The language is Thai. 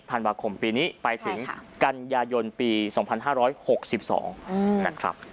ธันวาคมปีนี้ไปถึงกันยายนปี๒๕๖๒นะครับ